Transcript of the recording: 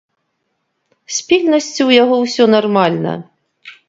З пільнасцю ў яго ўсё нармальна.